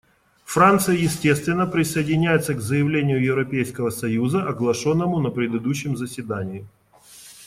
Франция, естественно, присоединяется к заявлению Европейского союза, оглашенному на предыдущем заседании.